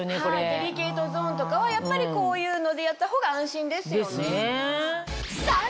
デリケートゾーンとかはやっぱりこういうのでやったほうが安心ですよね。